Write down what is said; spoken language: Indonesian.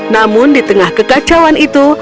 namun di tengah kekacauan itu